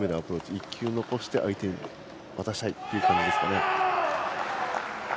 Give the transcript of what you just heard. １球残して相手に渡したいという感じですかね。